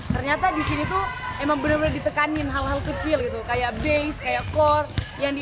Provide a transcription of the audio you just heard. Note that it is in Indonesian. ternyata di sini tuh emang bener bener ditekanin hal hal kecil gitu kayak base kayak core yang di